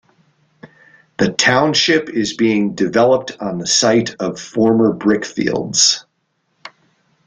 The township is being developed on the site of former brick fields.